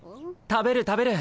食べる食べる。